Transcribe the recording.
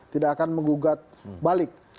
tidak akan menggugat balik